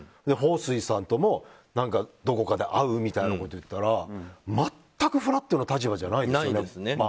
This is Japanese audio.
ホウ・スイさんともどこかで会う？みたいなことを言ったら全くフラットな立場じゃないですよね。